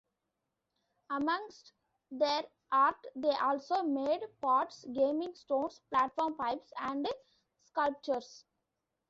Amongst their art they also made pots, gaming stones, platform pipes, and sculptures.